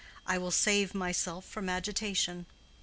I will save myself from agitation."